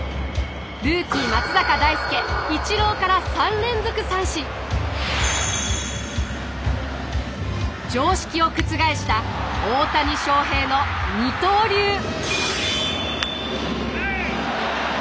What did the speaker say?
ルーキー松坂大輔イチローから常識を覆した大谷翔平のヘイ。